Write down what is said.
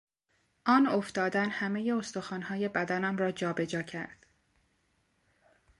آن افتادن همهی استخوانهای بدنم را جابه جا کرد.